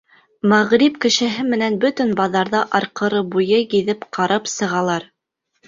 Мәғриб кешеһе менән бөтөн баҙарҙы арҡыры-буй гиҙеп-ҡарап сығалар.